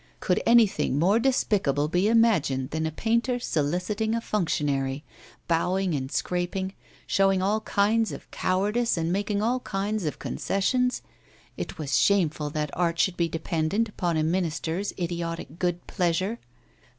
Could anything more despicable be imagined than a painter soliciting a functionary, bowing and scraping, showing all kinds of cowardice and making all kinds of concessions? It was shameful that art should be dependent upon a Minister's idiotic good pleasure!